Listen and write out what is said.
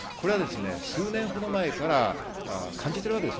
数年ほど前から感じているわけです。